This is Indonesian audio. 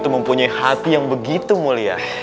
mempunyai hati yang begitu mulia